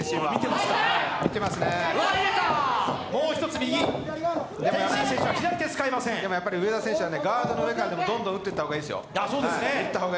でもやっぱり上田選手はガードの上からもどんどん打った方がいいですよ。